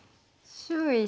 周囲